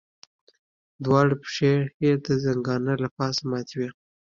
دواړه پښې یې د ځنګانه له پاسه ماتې وې.